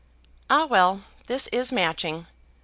Ah, well; this is Matching.